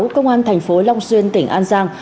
công an thành phố long xuyên tỉnh an giang